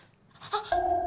あっ！